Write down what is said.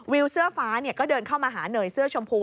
เสื้อฟ้าก็เดินเข้ามาหาเนยเสื้อชมพู